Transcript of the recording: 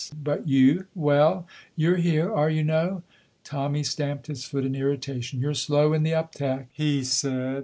"But you " "Well?" "You're here, are you no?" Tommy stamped his foot in irritation. "You're slow in the uptak," he said.